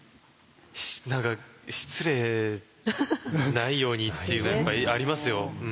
何か失礼ないようにっていうのはやっぱりありますよ。